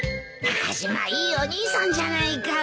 中島いいお兄さんじゃないか。